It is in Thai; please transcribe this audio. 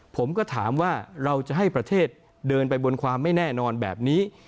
ผมก็ถามว่าเราจะให้ประเทศเดินไปบนความไม่แน่นอนแบบนี้